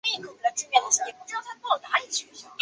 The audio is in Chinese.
该遗址原为河西区西南楼地区的土坯平房的三合院。